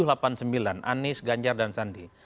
anies ganjar dan sandi